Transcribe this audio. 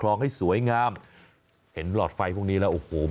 ขุดลอกคลงให้สวยงามเห็นหลอดไฟพวกนี้แล้วเห็นเหล่าเหรอวะวะมันสวยงามจริง